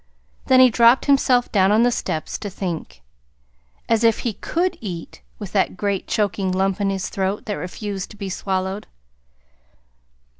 Then he dropped himself down on the steps to think. As if he could EAT with that great choking lump in his throat that refused to be swallowed!